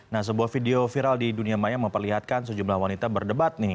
nah sebuah video viral di dunia maya memperlihatkan sejumlah wanita berdebat nih